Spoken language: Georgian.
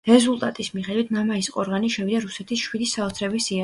რეზულტატის მიხედვით მამაის ყორღანი შევიდა რუსეთის შვიდი საოცრების სიაში.